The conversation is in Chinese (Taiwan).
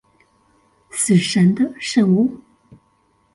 死神的聖物